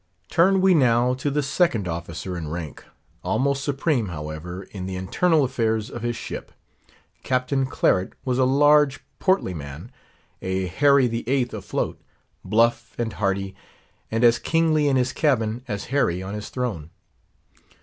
Turn we now to the second officer in rank, almost supreme, however, in the internal affairs of his ship. Captain Claret was a large, portly man, a Harry the Eighth afloat, bluff and hearty; and as kingly in his cabin as Harry on his throne.